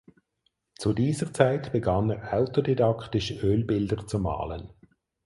Zu dieser Zeit begann er autodidaktisch Ölbilder zu malen.